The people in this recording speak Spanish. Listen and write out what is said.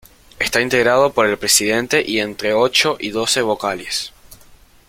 Está integrado por el presidente y entre ocho y doce vocales.